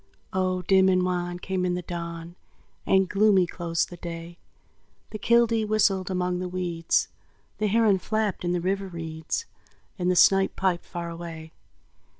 Oh, dim and wan came in the dawn, And gloomy closed the day; The killdee whistled among the weeds, The heron flapped in the river reeds, And the snipe piped far away.